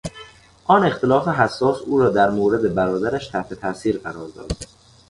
آن اختلاف احساس او را در مورد برادرش تحت تاثیر قرار داد.